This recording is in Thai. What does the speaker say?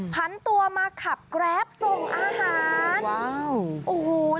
ผันตัวมาขับแกร๊บส่งอาหาร